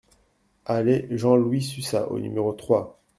Allée Jean-Louis Sussat au numéro trois